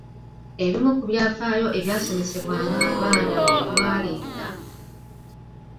Ebimu ku byafaayo ebyasomesebwanga abaana mwe mwalinga